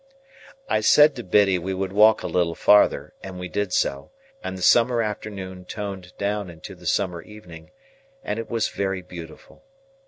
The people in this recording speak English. I said to Biddy we would walk a little farther, and we did so, and the summer afternoon toned down into the summer evening, and it was very beautiful.